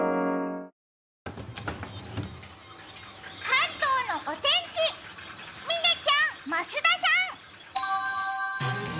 関東のお天気、嶺ちゃん、増田さん。